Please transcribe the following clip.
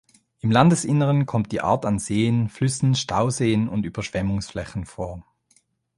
Im Landesinneren kommt die Art an Seen, Flüssen, Stauseen und Überschwemmungsflächen vor.